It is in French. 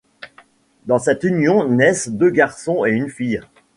De cette union naissent deux garçons et une fille.